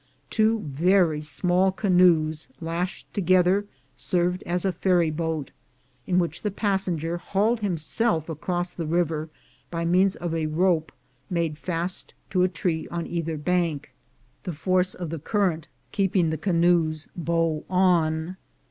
Two very small canoes lashed together served as a ferry boat, in which the passenger hauled himself across the river by means of a rope made fast to a tree on either bank, the force 294 THE GOLD HUNTERS of the current keeping the canoes bow on.